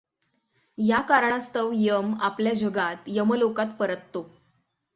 या कारणास्तव यम आपल्या जगात यमलोकात परततो.